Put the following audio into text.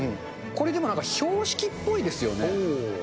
これでもなんか標識っぽいですよね。